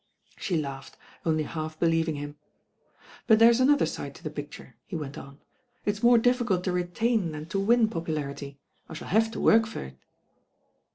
She laughed, only half believing him. "But there's another side to the picture," he went on. "It's more diflicult to retain than to win popu larity. I shall have to work for it."